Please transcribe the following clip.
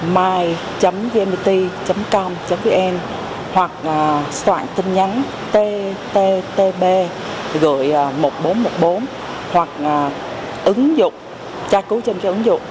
my vnpt com vn hoặc soạn tin nhắn tt tb gửi một nghìn bốn trăm một mươi bốn hoặc ứng dụng tra cứu trên các ứng dụng